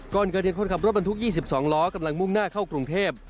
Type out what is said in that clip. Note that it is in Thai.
ก่อนเกิดเหตุคนขับรถบรรทุก๒๒ล้อกำลังมุ่งหน้าเข้ากรุงเทพ